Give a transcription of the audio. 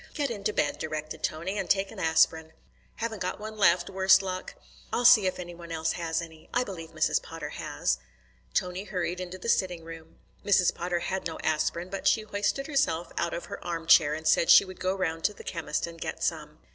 "Get into bed," directed Tony, "and take an aspirin." "Haven't got one left, worse luck." "I'll see if any one else has any. I believe Mrs. Potter has." Tony hurried into the sitting room. Mrs. Potter had no aspirin, but she hoisted herself out of her arm chair and said she would go round to the chemist and get some.